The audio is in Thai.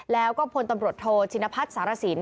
แล้วก็พลตำรวจโทชินพัฒน์สารสิน